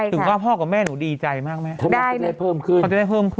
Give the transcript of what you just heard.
ถึงว่าพ่อกับแม่หนูดีใจมากไหมเขาจะได้เพิ่มขึ้น